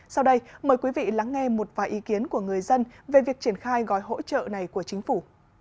sau đây mời quý vị lắng nghe một vài ý kiến của người dân về việc triển khai gói hỗ trợ này của chính phủ